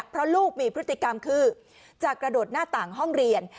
เพราะลูกมีพฤติกรรมคือจะกระโดดหน้าต่างห้องเรียน